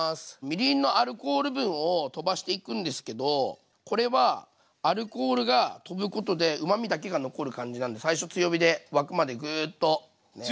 みりんのアルコール分を飛ばしていくんですけどこれはアルコールが飛ぶことでうまみだけが残る感じなんで最初強火で沸くまでグーッと。